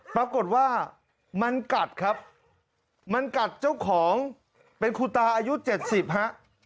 ปรากฏว่ามันกัดครับมันกัดเจ้าของเป็นคุณตาอายุ๗๐ฮะ